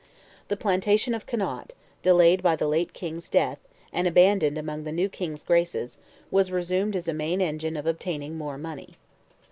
The plantation of Connaught, delayed by the late King's death, and abandoned among the new King's graces, was resumed as a main engine of obtaining more money.